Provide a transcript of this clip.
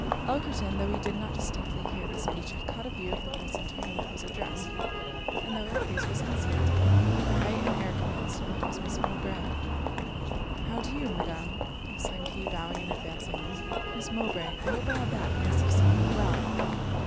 Elkerton, tho' he did not distinctly hear this speech, had caught a view of the person to whom it was addressed; and tho' her face was concealed, her height and air convinced him it was Miss Mowbray. 'How do you, Madam?' exclaimed he, bowing and advancing 'Miss Mowbray, I hope I have the happiness of seeing you well.'